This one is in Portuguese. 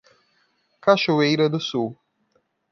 Cachoeira do Sul